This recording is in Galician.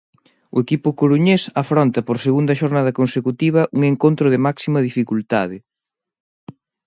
O equipo coruñés afronta por segunda xornada consecutiva un encontro de máxima dificultade.